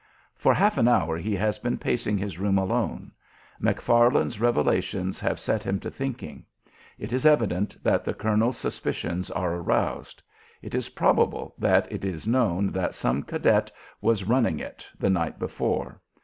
For half an hour he has been pacing his room alone. McFarland's revelations have set him to thinking. It is evident that the colonel's suspicions are aroused. It is probable that it is known that some cadet was "running it" the night before.